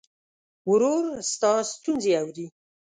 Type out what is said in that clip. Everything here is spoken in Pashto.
ورور ستا ستونزې اوري.